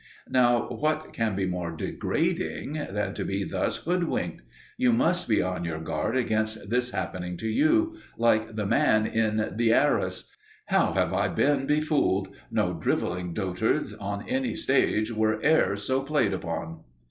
Now what can be more degrading than to be thus hoodwinked? You must be on your guard against this happening to you, like the man in the Heiress: How have I been befooled! no drivelling dotards On any stage were e'er so p1ayed upon.